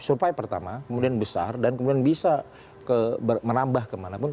survive pertama kemudian besar dan kemudian bisa menambah kemana pun